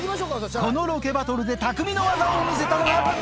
このロケバトルで匠の技を見せたのは。